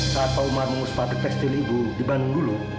saat pak umar mengusupati tekstil ibu di bandung dulu